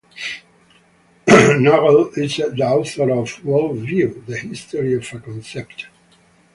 Naugle is the author of "Worldview: The History of a Concept".